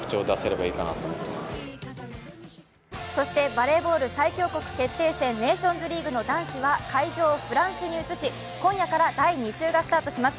バレーボール最強国決定戦ネーションズリーグの男子は会場をフランスに移し今夜から第２週がスタートします。